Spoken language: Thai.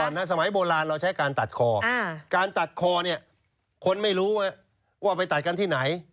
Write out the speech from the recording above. สมัยโบราณเราใช้การตัดคอการตัดคอเนี่ยคนไม่รู้ว่าไปตัดกันที่ไหน